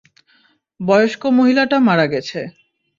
বয়স্ক মহিলাটা মারা গেছে।